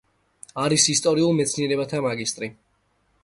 არის ისტორიულ მეცნიერებათა მაგისტრი.